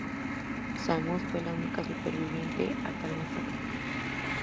Samus fue la única superviviente a tal masacre.